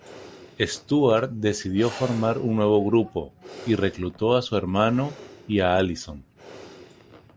Stuart decidió formar un nuevo grupo, y reclutó a su hermano y a Alison.